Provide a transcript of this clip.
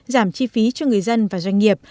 giảm chi phí cho người dân và doanh nghiệp